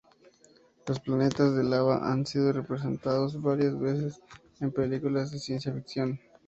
Los planetas de lava han sido representados varias veces en películas de ciencia ficción.